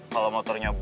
kalau motornya berubah